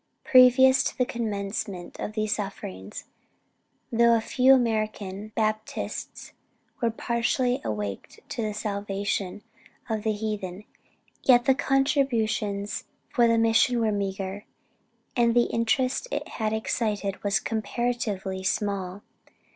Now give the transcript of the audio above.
"Previous to the commencement of these sufferings, though a few American Baptists were partially awake to the salvation of the heathen, ... yet the contributions for the mission were meagre, and the interest it had excited was comparatively small.